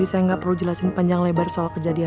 sampai jumpa di video selanjutnya